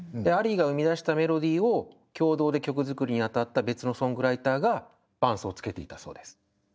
アリーが生み出したメロディーを共同で曲作りに当たった別のソングライターが伴奏をつけていたそうです。